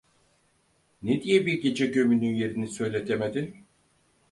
Ne diye bir gece gömünün yerini söyletemedin?